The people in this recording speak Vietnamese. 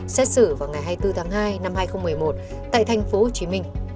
xét xử vào ngày hai mươi bốn tháng hai năm hai nghìn một mươi một tại thành phố hồ chí minh